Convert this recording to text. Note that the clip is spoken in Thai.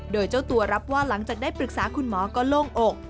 โดยเจ้าตัวรับว่าหลังจากได้ปรึกษาคุณหมอก็โล่งอก